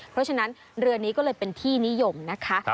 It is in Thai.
เพราะฉะนั้นเรือนี้ก็เลยเป็นที่นิยมนะคะ